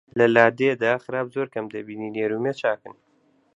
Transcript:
لە لادێدا خراب زۆر کەم دەبینی نێر و مێ چاکن